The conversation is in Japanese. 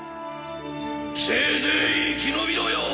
せいぜい生き延びろよ。